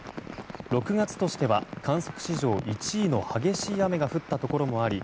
６月としては観測史上１位の激しい雨が降ったところもあり